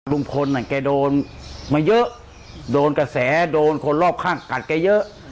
ลุงพลแกโดนมาเยอะโดนกระแสโดนคนรอบข้างกัดแกเยอะ